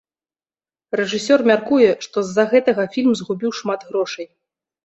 Рэжысёр мяркуе, што з-за гэтага фільм згубіў шмат грошай.